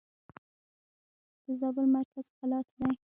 د زابل مرکز قلات دئ.